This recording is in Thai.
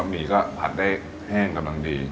หมี่ก็ผัดได้แห้งกำลังดี